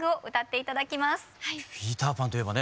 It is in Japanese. ピーター・パンといえばね